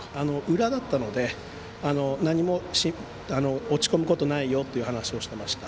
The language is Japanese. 裏だったので何も落ち込むことないぞと話をしていました。